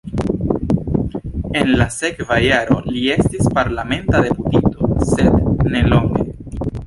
En la sekva jaro li estis parlamenta deputito, sed nelonge.